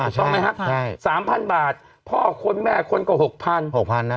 ใช่ใช่สามพันบาทพ่อคนแม่คนก็หกพันหกพันอะ